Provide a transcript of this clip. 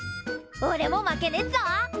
おれも負けねっぞ。